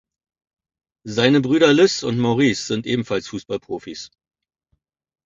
Seine Brüder Lys und Maurice sind ebenfalls Fußballprofis.